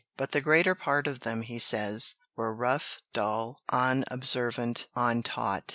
But "the greater part of them," he says, "were rough, dull, unobservant, untaught."